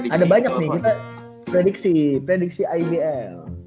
ada banyak nih kita prediksi prediksi ibl